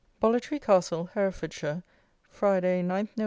_Bollitree Castle, Herefordshire, Friday, 9 Nov.